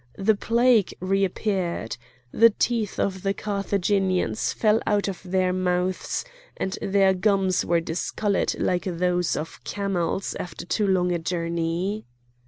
The plague reappeared. The teeth of the Carthaginians fell out of their mouths, and their gums were discoloured like those of camels after too long a journey.